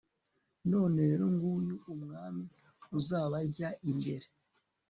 none rero, nguyu umwami uzabajya imbere